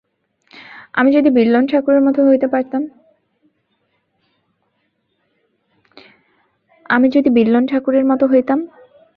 আমি যদি বিল্বন ঠাকুরের মতো হইতাম।